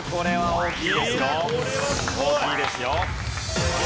大きいですよ。